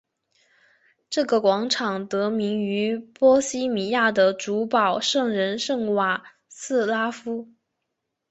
这个广场得名于波希米亚的主保圣人圣瓦茨拉夫。